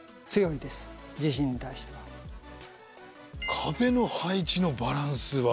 「壁の配置のバランス」は？